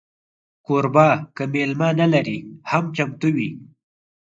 کوربه که میلمه نه لري، هم چمتو وي.